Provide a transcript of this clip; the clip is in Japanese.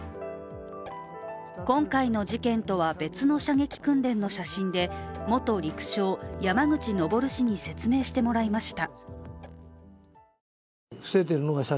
今回の事件とは別の射撃訓練の写真で、元陸将・山口昇氏に説明してもらいました。